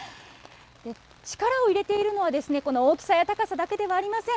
力を入れているのは、この大きさや高さだけではありません。